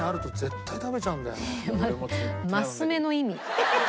マス目の意味。